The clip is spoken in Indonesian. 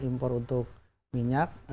impor untuk minyak